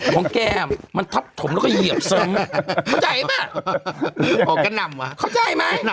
ของแก่มันทับถมเน้เยียบสึง